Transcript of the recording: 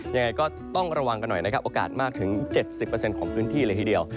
ยังไงก็ต้องระวังกันหน่อยนะครับโอกาสมากถึง๗๐ของพื้นที่เลยทีเดียว